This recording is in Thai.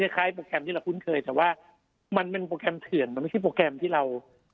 โปรแกรมที่เราคุ้นเคยแต่ว่ามันเป็นโปรแกรมเถื่อนมันไม่ใช่โปรแกรมที่เรา